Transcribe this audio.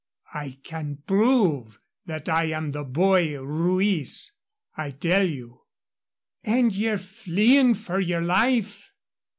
"I can prove that I am the boy Ruiz, I tell you." "And ye're fleeing for your life?"